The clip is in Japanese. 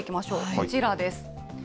こちらです。